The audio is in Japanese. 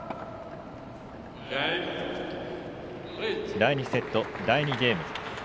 第２セット、第２ゲーム。